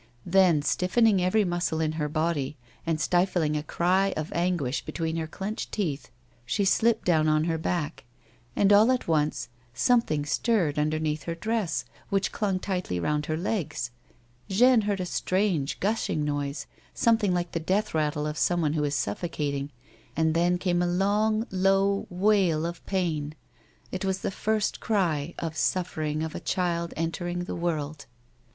Then, stilVening every muscle in her body, and stilling a cry of anguish between her clenched tci^th, she slipped down on her back, ami all at once, some F 98 A WOMAN'S LIFE. thing stirred underueath her dress, which ching tightly found her legs. Jeanne heard a strange, gushing noise, something like the death rattle of someone who is sufibcating, and then came a long low wail of pain; it was the first cry of suffering of a child entering the world.